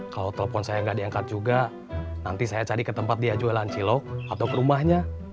kalau telepon saya nggak diangkat juga nanti saya cari ke tempat dia jualan cilok atau ke rumahnya